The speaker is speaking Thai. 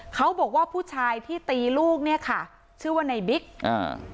เขาบอกว่าผู้ชายที่ตีลูกเนี้ยค่ะชื่อว่าในบิ๊กอ่า